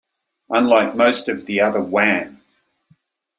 Unlike most of the other Wham!